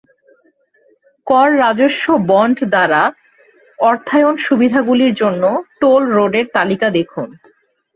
কর রাজস্ব বন্ড দ্বারা অর্থায়ন সুবিধাগুলির জন্য টোল রোডের তালিকা দেখুন।